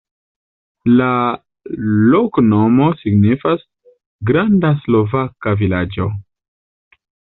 La loknomo signifas: granda-slovaka-vilaĝo.